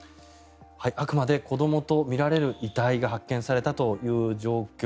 あくまで子どもとみられる遺体が発見されたという状況